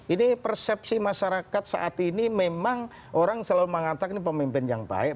ini persepsi masyarakat saat ini memang orang selalu mengatakan ini pemimpin yang baik